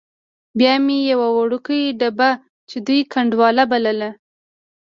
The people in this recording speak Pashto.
بیا مې یوه وړوکې ډبه چې دوی ګنډولا بلله.